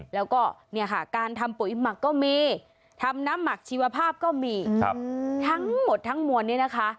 แล้วก็เนี่ยค่ะการทำปุ๋ยหมักก็มีทำน้ำหมักชีวภาพก็มีทั้งหมดทั้งมวลนี้นะคะ